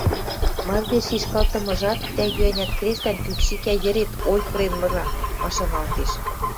Мардеж шишкалтымыжат тӓгӱ-ӓнят крестӓн кӱкшикӓ йӹрет ойхырен мыра машаналтеш...